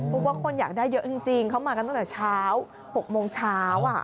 เพราะว่าคนอยากได้เยอะจริงเขามากันตั้งแต่เช้า๖โมงเช้า